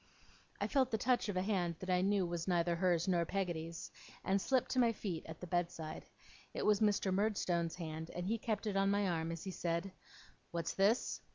I felt the touch of a hand that I knew was neither hers nor Peggotty's, and slipped to my feet at the bed side. It was Mr. Murdstone's hand, and he kept it on my arm as he said: 'What's this?